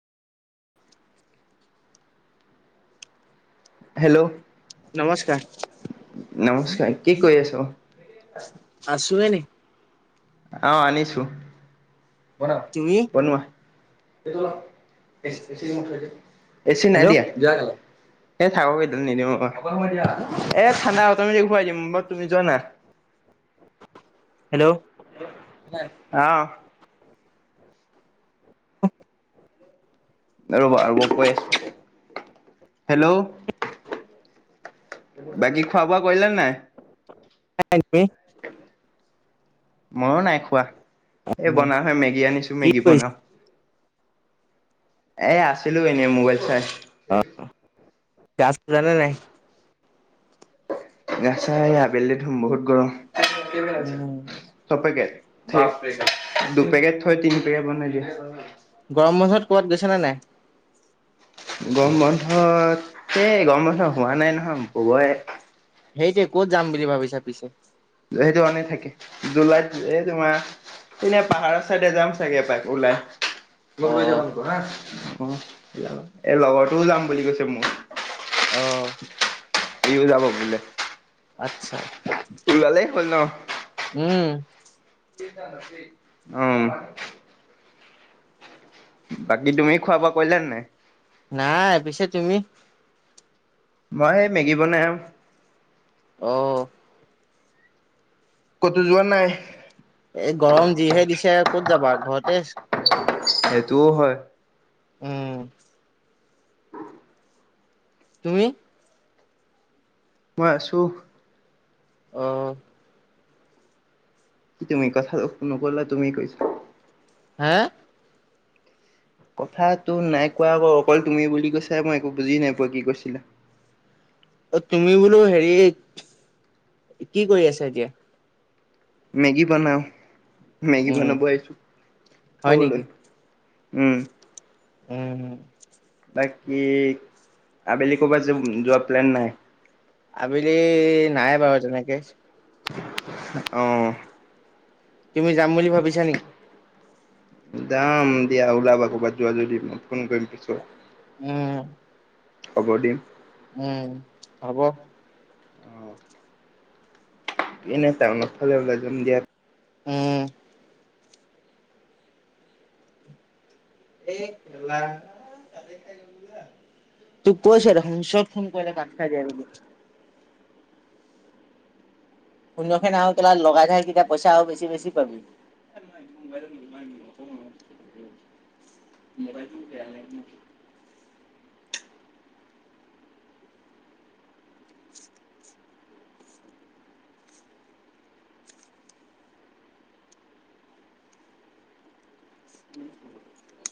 Hello নমস্কাৰ নমস্কাৰ কি কৈ আছ আছু এনেই আহ আনিছো তুমি? বন এ চি নাই দিয়া এ থাক কেইডাল নিদিম এ ঠাণ্ডা অ তমি ঘুৱাই দিম ব তুমি যোৱানা [inaudible] আহ ৰ'ব ৰব কৈ আছো হেল্ল' বাকী খোৱা বোৱা কৰিলে নাই নি ময়ো নাই খোৱা এই বনাওহে মেগী আনিছো কি মেগী কৰিছা বনাওঁ এ আছিলো এনেই মোবাইল চাই গা ধুলা নে নাই গা ছা আবেলি ধুম বহুত গৰম উম চবকে থ দুপেকেট থৈ তিনি পেকেট বনাই দিয়া গৰম বন্ধত ক'বাত গৈছা নে নাই গৰম বন্ধত এই গৰম বন্ধ হোৱা নাই নহয় হবহে সেইটোৱে কত যাম বুলি ভাবিছা পিছে সেইটো অনে থাকে জুলাইত এই তোমাৰ এনেই পাহাৰৰ ছাইডে যাম চাগে এপাক ওলাই অ লগ লৈ যাব আক হা অ এ লগতও যাম বুলি কৈছে মোৰ অ ইউ যাব বোলে আচ্ছা উলালেই হ'ল ন উম আহ বাকী তুমি খোৱা বোৱা কৰিলো নাই নাই পিছে তুমি মই এই মেগী বনাম অহ কতো যোৱা নাই এ গৰম যিহে দিছে ক'ত যাবা ঘৰতে সেইটোও হয় উম তুমি মই আছো আহ কি তুমি কথা নকলা তুমি কৈছা এ কথাতটো নাই কোৱা আকৌ অকল তুমি বুলি কৈছা মই একো বুজি নাই পোৱা কি কৈছিলা [inaudible] অ তুমি বোলো হেৰি কি কৰি আছা এতিয়া মেগী বনাও মেগী উম বনাব আহিছো হয় খাবলৈ নেকি? উম উম বাকী আবেলি ক'ৰবাত য যোৱা প্লেন নাই। আবেলি নাই বাৰু তেনেকে। অ'। তুমি যাম বুলি ভাবিছা নেকি? যাম দিয়া ওলাবা ক'বাত যোৱা যদি মই ফোন কৰিম পিছত। উ'ম। খবৰ দিম। উম হ'ব। অ'। এনে টাউনৰ ফালে ওলাই যাম দিয়া। উ'ম। এ! কেলা কাটে খাই গ'ল দিয়া তোক কৈছে দেখোন চব ফোন কৰিলে কাট খাই যায় বুলি। শুন্য খনে আৰু কেলা লগাই থাই কেতিয়া পইচা আৰু বেছি বেছি পাবি। [unintelligible] মোবাইলটো বেয়া [inaudible] [unintelligible] [unintelligible]